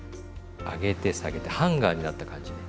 上げて下げてハンガーになった感じね。